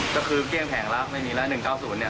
ก็คือเกลี้ยงแผงละไม่มีละ๑๙๐เนี่ย